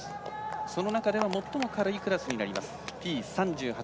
その中でも最も軽いクラスになります。